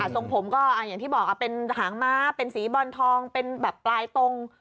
ทรงผมก็อย่างที่บอกเป็นหางม้าเป็นสีบอลทองเป็นแบบปลายตรง